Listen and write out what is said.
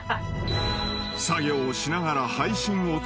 ［作業をしながら］